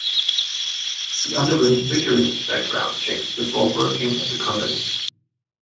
He underwent rigorous background checks before working at the company.